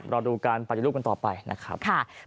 กลับรอดูการปัดอย่างรูปกันต่อไปนะครับ